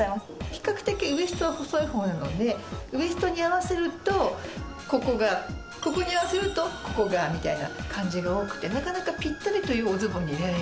比較的ウエストは細い方なのでウエストに合わせるとここがここに合わせるとここがみたいな感じが多くてなかなかピッタリというおズボンに出会えない。